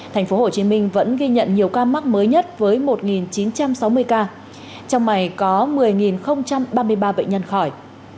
tp hcm vẫn ghi nhận nhiều ca mắc mới nhất với một chín trăm sáu mươi ca trong ngày có một mươi ba mươi ba bệnh nhân khỏi